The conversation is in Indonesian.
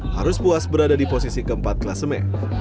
harus puas berada di posisi keempat kelas semen